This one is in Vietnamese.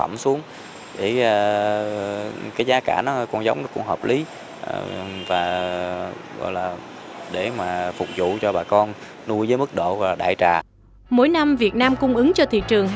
mỗi năm việt nam cung ứng cho thị trường